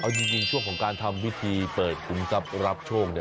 เอาจริงช่วงของการทำพิธีเปิดคุมทรัพย์รับโชค